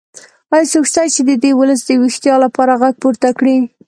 ایا څوک شته چې د دې ولس د ویښتیا لپاره غږ پورته کړي؟